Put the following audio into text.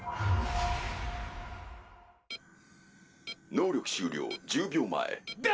「能力終了１０秒前」っだ！！